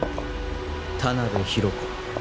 田辺弘子